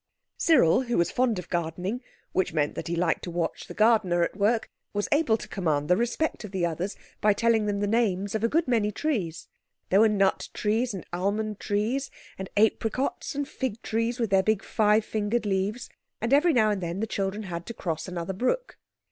Cyril, who was fond of gardening—which meant that he liked to watch the gardener at work—was able to command the respect of the others by telling them the names of a good many trees. There were nut trees and almond trees, and apricots, and fig trees with their big five fingered leaves. And every now and then the children had to cross another brook.